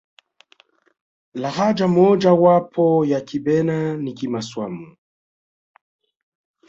lahaja moja wapo ya kibena ni kimaswamu